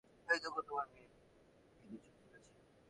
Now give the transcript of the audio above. ঐ দেখো, তোমার মেয়ে কেঁদে চোখ ফুলিয়েছে।